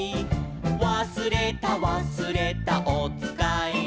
「わすれたわすれたおつかいを」